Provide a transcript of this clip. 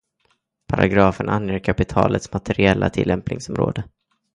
Paragrafen anger kapitlets materiella tillämpningsområde.